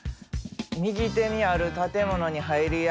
右手にある建物に入りや。